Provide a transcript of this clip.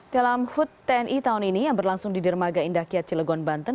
dalam hut tni tahun ini yang berlangsung di dermaga indah kiat cilegon banten